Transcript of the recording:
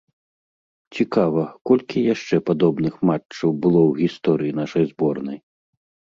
Цікава, колькі яшчэ падобных матчаў было ў гісторыі нашай зборнай?